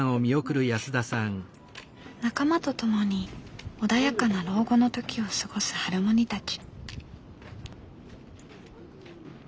仲間と共に穏やかな老後の時を過ごすハルモニたち。